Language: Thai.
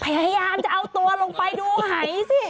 พยายามจะเอาตัวลงไปดูหายสิ